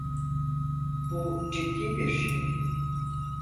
Bu ciddi bir şey.